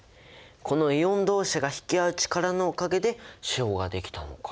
このイオンどうしが引きあう力のおかげで塩ができたのか。